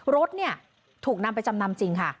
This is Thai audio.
รถเนี่ยถูกนำไปจำนำจริงค่ะ